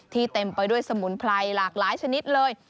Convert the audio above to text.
เต็มไปด้วยสมุนไพรหลากหลายชนิดเลย